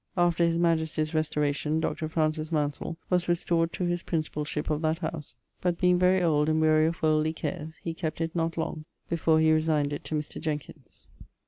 After his majestie's restauration Dr. Maunsell was restored to his principallship of that house, but being very old and wearie of worldly cares, he kept it not long, before he resigned it to Mr. Jenkins.